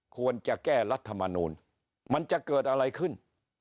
ควรจะแก้รัฐมนูลมันจะเกิดอะไรขึ้น